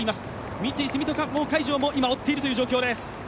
三井住友海上も今、追っているという状況です。